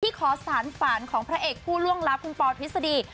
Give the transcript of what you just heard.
ขอสารฝันของพระเอกผู้ล่วงลับคุณปอทฤษฎี